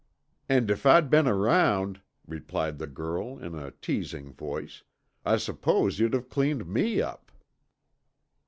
"And if I'd been around," replied the girl in a teasing voice, "I suppose you'd have cleaned me up."